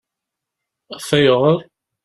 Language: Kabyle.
Af ayɣeṛ?